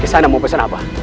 di sana mau pesan apa